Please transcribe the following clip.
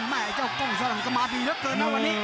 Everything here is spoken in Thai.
แม่เจ้าโก้งสร้างก็มาดีเยอะเกินนะวันนี้